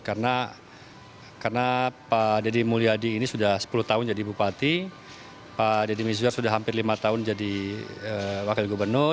karena pak deddy mulyadi ini sudah sepuluh tahun jadi bupati pak deddy mizwar sudah hampir lima tahun jadi wakil gubernur